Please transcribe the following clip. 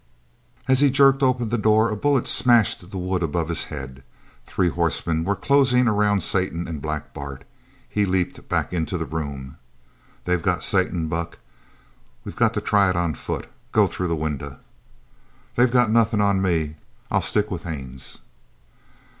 As he jerked open the door a bullet smashed the wood above his head. Three horsemen were closing around Satan and Black Bart. He leaped back into the room. "They've got Satan, Buck. We've got to try it on foot. Go through the window." "They've got nothing on me. I'll stick with Haines."